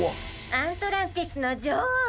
アントランティスのじょおう！